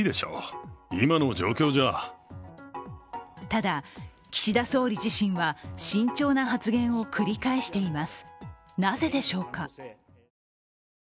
ただ、岸田総理自身は慎重な発言を繰り返しています。